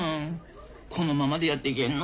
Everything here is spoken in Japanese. このままでやっていけんの？